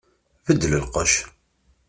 Beddel lqecc!